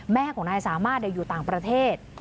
แม่ของนายสามารถอยู่ต่างประเทศ